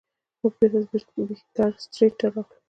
موږ بیرته بیکر سټریټ ته راغلو.